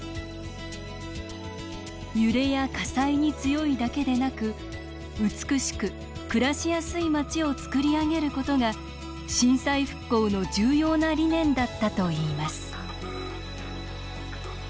揺れや火災に強いだけでなく美しく暮らしやすい街をつくり上げることが震災復興の重要な理念だったといいます。